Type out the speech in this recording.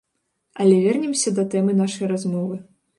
Але вернемся да тэмы нашай размовы.